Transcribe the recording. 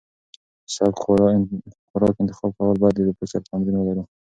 سپک خوراک انتخاب کول باید د فکر تمرین ولري.